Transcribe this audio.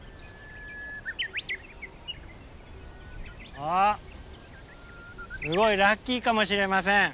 ああすごいラッキーかもしれません。